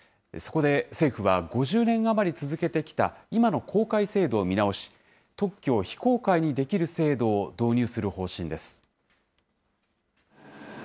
そこで政府は、５０年余り続けてきた今の公開制度を見直し、特許を非公開にできる制度を導入する方針です。